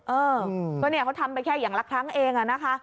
เออก็เนี่ยเขาทำไปแค่อย่างละครั้งเองอะนะคะ